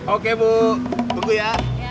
oke bu tunggu ya